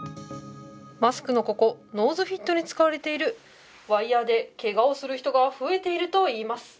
マスクのここ、ノーズフィットに使われている、ワイヤーでけがをする人が増えているといいます。